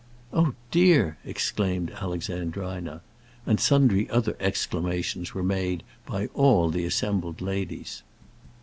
"Oh, dear!" exclaimed Alexandrina. And sundry other exclamations were made by all the assembled ladies.